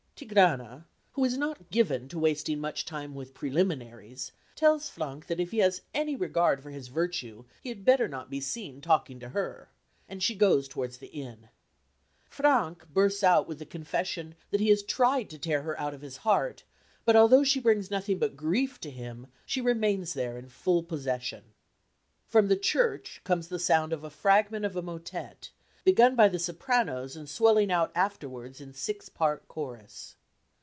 Tigrana, who is not given to wasting much time with preliminaries, tells Frank that if he has any regard for his virtue he had better not be seen talking to her; and she goes towards the inn. Frank bursts out with the confession that he has tried to tear her out of his heart, but although she brings nothing but grief to him she remains there in full possession. From the church comes the sound of a fragment of a motet, begun by the sopranos and swelling out afterwards in a six part chorus.